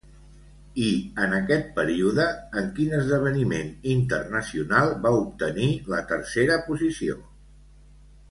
I en aquest període, en quin esdeveniment internacional va obtenir la tercera posició?